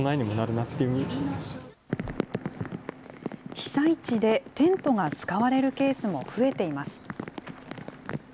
被災地でテントが使われるケースも増えています。